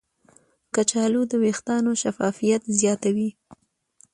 کچالو د ویښتانو شفافیت زیاتوي.